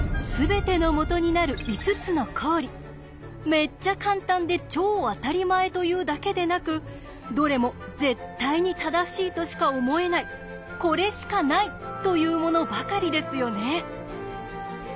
めっちゃカンタンで超あたりまえというだけでなくどれも「絶対に正しいとしか思えないこれしかない」というものばかりですよね。